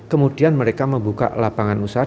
kemudian mereka membuka lapangan usaha